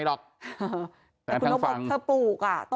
สวัสดีคุณผู้ชายสวัสดีคุณผู้ชาย